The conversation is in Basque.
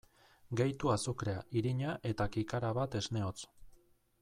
Gehitu azukrea, irina eta kikara bat esne hotz.